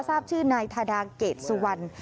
ทราบชื่อนายทาดาเกตสุวัน